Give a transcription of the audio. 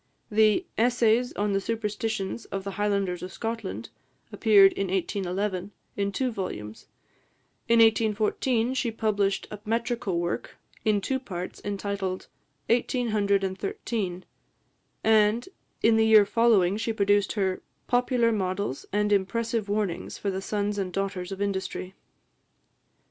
The "Essays on the Superstitions of the Highlanders of Scotland" appeared in 1811, in two volumes; in 1814, she published a metrical work, in two parts, entitled "Eighteen Hundred and Thirteen;" and, in the year following, she produced her "Popular Models and Impressive Warnings for the Sons and Daughters of Industry."